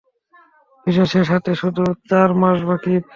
Visa শেষ হতে শুধু চার মাস বাকি।